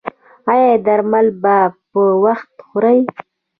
ایا درمل به په وخت خورئ؟